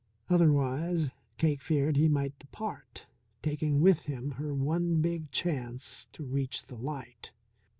Otherwise Cake feared he might depart, taking with him her one big chance to reach the light.